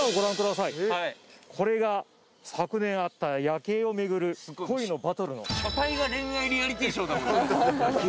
はいこれが昨年あったヤケイをめぐる恋のバトルの書体が恋愛リアリティーショーだ